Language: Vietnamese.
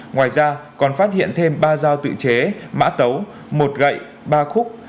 ngoài ra còn phát hiện thêm ba dao tự chế mã tấu một gậy ba khúc